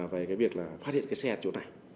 về cái việc là phát hiện cái xe ở chỗ này